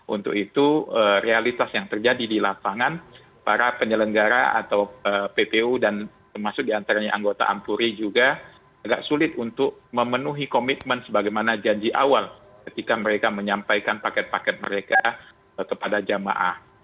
untuk itu realitas yang terjadi di lapangan para penyelenggara atau ppu dan termasuk diantaranya anggota ampuri juga agak sulit untuk memenuhi komitmen sebagaimana janji awal ketika mereka menyampaikan paket paket mereka kepada jamaah